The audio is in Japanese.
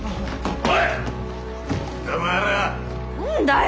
何だよ！